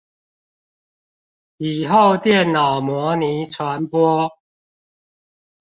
以後電腦模擬傳播